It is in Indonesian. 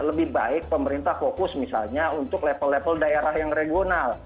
lebih baik pemerintah fokus misalnya untuk level level daerah yang regional